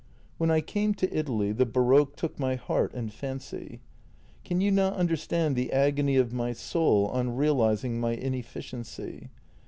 When I came to Italy the baroque took my heart and fancy. Can you not understand the agony of my soul on realizing my inefficiency?